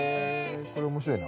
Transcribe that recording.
これ面白いな。